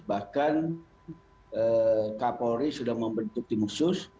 bahkan kapolri sudah membentuk timusus